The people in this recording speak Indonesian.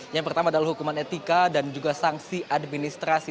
yang pertama adalah hukuman etika dan juga sanksi administrasi